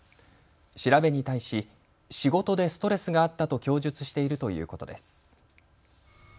調べに対し仕事でストレスがあったと供述しているということです。